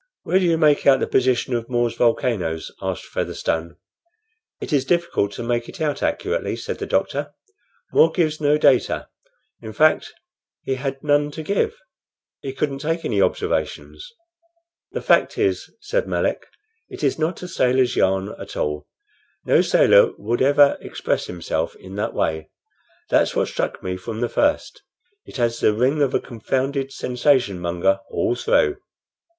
"Where do you make out the position of More's volcanoes?" asked Featherstone. "It is difficult to make it out accurately," said the doctor. "More gives no data. In fact he had none to give. He couldn't take any observations." "The fact is," said Melick, "it's not a sailor's yarn at all. No sailor would ever express himself in that way. That's what struck me from the first. It has the ring of a confounded sensation monger all through."